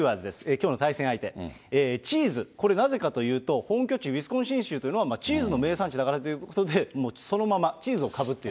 きょうの対戦相手、チーズ、これ、なぜかというと、本拠地、ウィスコンシン州というのは、チーズの名産地だからということで、もうそのまま、チーズをかぶっていると。